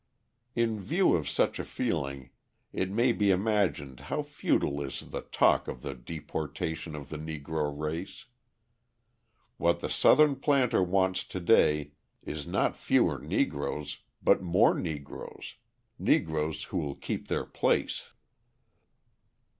In view of such a feeling it may be imagined how futile is the talk of the deportation of the Negro race. What the Southern planter wants to day is not fewer Negroes but more Negroes Negroes who will "keep their place."